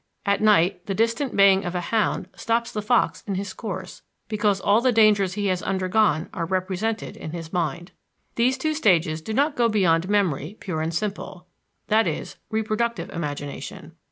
At night, the distant baying of a hound stops the fox in his course, because all the dangers he has undergone are represented in his mind. These two stages do not go beyond memory pure and simple, i.e., reproductive imagination.